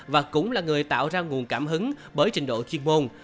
và cũng là người tạo ra nguồn cảm hứng bởi trình độ chuyên môn